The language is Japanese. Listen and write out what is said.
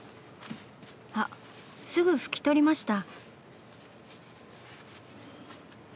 あっすぐ拭き取りました。